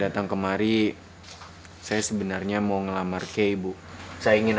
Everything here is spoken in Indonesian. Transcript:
terima lamaran agung